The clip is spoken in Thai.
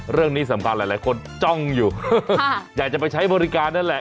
เรื่องนี้สำคัญหลายคนจ้องอยู่อยากจะไปใช้บริการนั่นแหละ